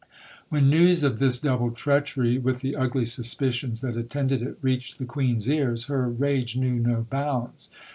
When news of this double treachery, with the ugly suspicions that attended it, reached the Queen's ears, her rage knew no bounds.